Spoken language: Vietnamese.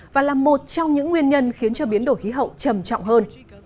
và là một trong những nguyên nhân khiến cho biến đổi khí hậu trầm trọng hơn